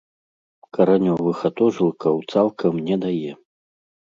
Каранёвых атожылкаў цалкам не дае.